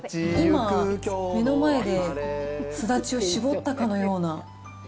今、目の前ですだちを絞ったかのような。